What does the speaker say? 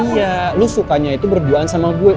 iya lu sukanya itu berduaan sama gue